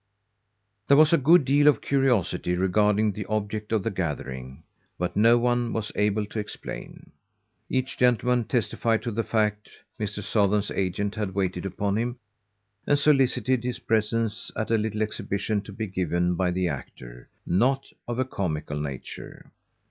There was a good deal of curiosity regarding the object of the gathering, but no one was able to explain. Each gentleman testified to the fact Mr. Sothern's agent had waited upon him, and solicited his presence at a little exhibition to be given by the actor, NOT of a comical nature.